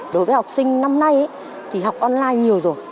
đối với học sinh năm nay thì học online nhiều rồi